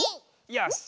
よし！